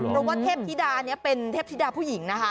เพราะว่าเทพธิดาเนี่ยเป็นเทพธิดาผู้หญิงนะคะ